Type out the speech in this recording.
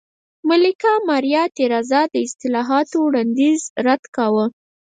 ملکه ماریا تېرازا د اصلاحاتو وړاندیز رد کاوه.